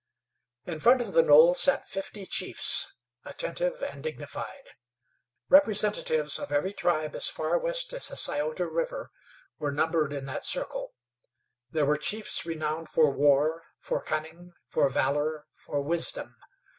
In front of the knoll sat fifty chiefs, attentive and dignified. Representatives of every tribe as far west as the Scioto River were numbered in that circle. There were chiefs renowned for war, for cunning, for valor, for wisdom.